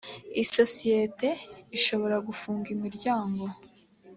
isosiyete ishobora gufunga imiryango.